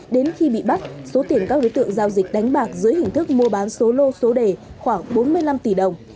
đến khi bị bắt số tiền các đối tượng giao dịch đánh bạc dưới hình thức mua bán số lô số đề khoảng bốn mươi năm tỷ đồng